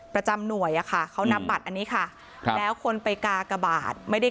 ประจำหน่วยอะค่ะเขานับบัตรอันนี้ค่ะครับแล้วคนไปกากบาทไม่ได้